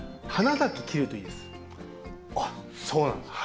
あっそうなんですか？